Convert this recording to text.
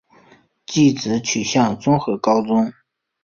技职取向为综合高中。